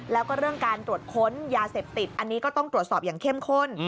แล้วก็เรื่องการตรวจค้นยาเสพติดอันนี้ก็ต้องตรวจสอบอย่างเข้มข้น